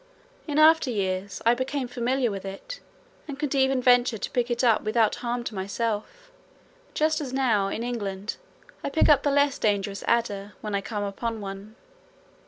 In after years I became familiar with it and could even venture to pick it up without harm to myself, just as now in England I pick up the less dangerous adder when I come upon one.